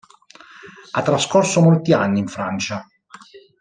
Ha trascorso molti anni in Francia.